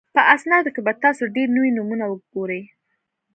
په اسنادو کې به تاسو ډېر نوي نومونه وګورئ.